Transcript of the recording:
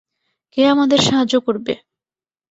কে আমাদের সাহায্য করবে?